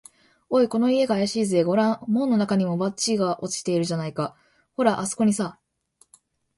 「おい、この家があやしいぜ。ごらん、門のなかにも、バッジが落ちているじゃないか。ほら、あすこにさ」